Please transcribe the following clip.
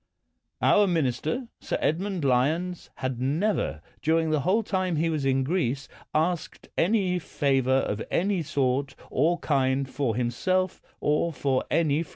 Our minister, Sir Edmund Lyons, had never, during the whole time he was in Greece, asked any favor of any sort or kind for himself or for any friend.